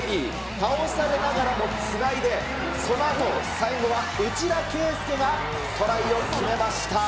倒されながらもつないで、そのあと、最後は内田啓介がトライを決めました。